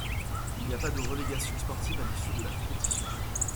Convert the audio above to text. Il n’y a pas de relégation sportive à l’issue de la compétition.